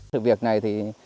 thực việc này thì